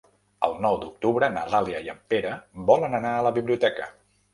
El nou d'octubre na Dàlia i en Pere volen anar a la biblioteca.